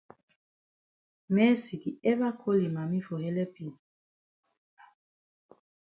Mercy di ever call yi mami for helep yi.